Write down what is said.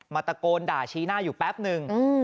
ตะโกนด่าชี้หน้าอยู่แป๊บนึง